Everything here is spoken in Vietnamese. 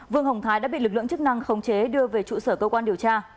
vương hồng thái đã bị lực lượng chức năng khống chế đưa về trụ sở cơ quan điều tra